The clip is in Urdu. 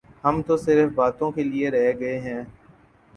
ہم تو صرف باتوں کیلئے رہ گئے ہیں۔